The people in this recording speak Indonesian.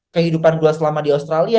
kehidupan gue selama di australia